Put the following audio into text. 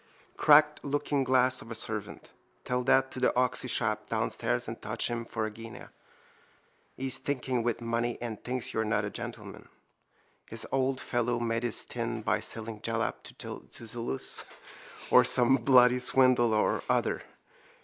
—Cracked lookingglass of a servant! Tell that to the oxy chap downstairs and touch him for a guinea. He's stinking with money and thinks you're not a gentleman. His old fellow made his tin by selling jalap to Zulus or some bloody swindle or other.